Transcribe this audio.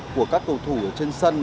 của các cầu thủ trên sân